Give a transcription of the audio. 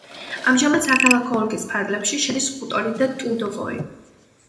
ამჟამად საქალაქო ოლქის ფარგლებში შედის ხუტორი ტრუდოვოი.